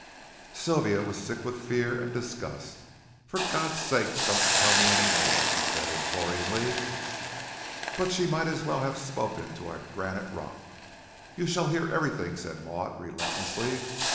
Sylvia was sick with fear and disgust. "For God's sake, don't tell me any more," she said imploringly. But she might as well have spoken to a granite rock. "You shall hear everything," said Maud, relentlessly.